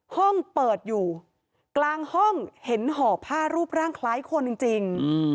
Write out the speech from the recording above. ห้องเปิดอยู่กลางห้องเห็นห่อผ้ารูปร่างคล้ายคนจริง